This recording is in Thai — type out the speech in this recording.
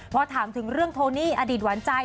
พอถามถึงเรื่องโทนี่อดีตหวานใจ